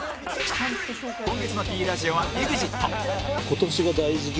今月の Ｐ ラジオは ＥＸＩＴ